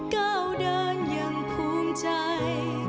ก้าวเดินอย่างภูมิใจ